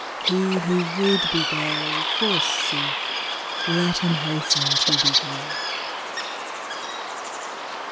He who would be gay, forsooth, Let him hasten to be gay.